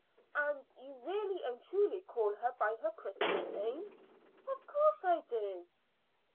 "And you really and truly call her by her Christian name?" "Of course I do."